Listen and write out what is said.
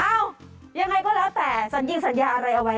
ยังไงก็แล้วแต่สัญญิงสัญญาอะไรเอาไว้